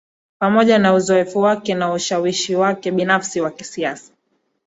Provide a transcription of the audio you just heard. Pamoja na uzoefu wake na ushawishi wake binafsi wa kisiasa